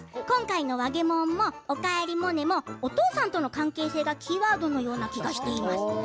今回の「わげもん」も「おかえりモネ」もお父さんの関係性がキーワードの関係だと思っています。